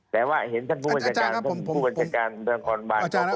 แต่ว่าเห็นขั้นตอนผู้บันการ